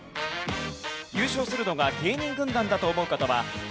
優勝するのが芸人軍団だと思う方は＃